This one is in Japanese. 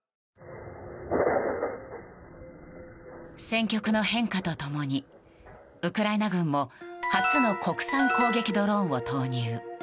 戦局の変化と共にウクライナ軍も初の国産攻撃ドローンを投入。